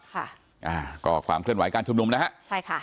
ค่ะอ่าก็ความเคลื่อนไหวการชุมนุมนะฮะใช่ค่ะ